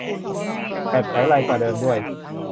แบบไฉไลกว่าเดิมด้วย